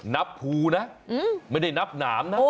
นับภูนะไม่ได้นับหนามนะ